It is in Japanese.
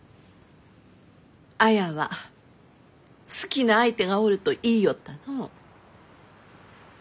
綾は好きな相手がおると言いよったのう。